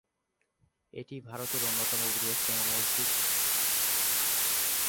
এটি ভারতের অন্যতম বৃহত্তম মসজিদ।